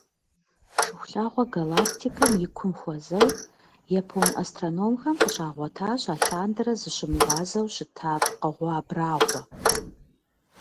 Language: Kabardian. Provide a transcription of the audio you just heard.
Шыхулъагъуэ галактикэм и кум хуэзэу япон астрономхэм къыщагъуэтащ алъандэрэ зыщымыгъуазэу щыта пкъыгъуэ абрагъуэ.